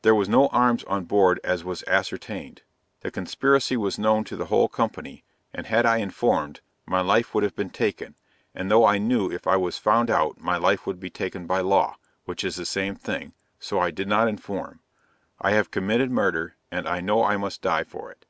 There was no arms on board as was ascertained; the conspiracy was known to the whole company, and had I informed, my life would have been taken, and though I knew if I was found out my life would be taken by law, which is the same thing, so I did not inform. I have committed murder and I know I must die for it.